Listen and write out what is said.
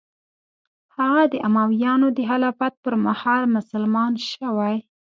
هغه د امویانو د خلافت پر مهال مسلمان شوی.